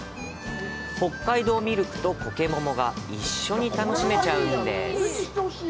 北海道ミルクとコケモモが一緒に楽しめちゃうんです。